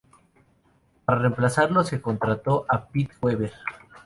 Para reemplazarlo, se contrató a Pete Webber.